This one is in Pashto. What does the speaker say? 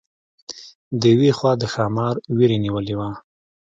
د یوې خوا د ښامار وېرې نیولې وه.